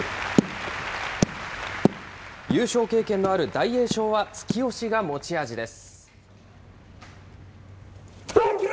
優勝経験のある大栄翔は突き押しが持ち味です。